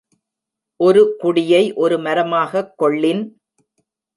ஒரு குடியை ஒரு மரமாகக் கொள்ளின்